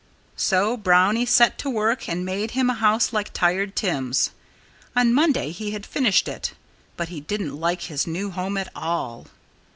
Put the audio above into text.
So Brownie set to work and made him a house like Tired Tim's. On Monday he had finished it. But he didn't like his new home at all.